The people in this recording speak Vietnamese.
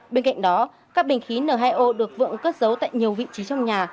bên cạnh đó các bình khí n hai o được vượng cất giấu tại nhiều vị trí trong nhà